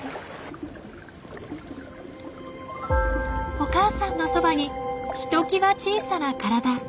お母さんのそばにひときわ小さな体。